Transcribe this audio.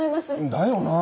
だよなぁ。